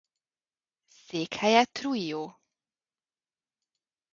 Székhelye Trujillo.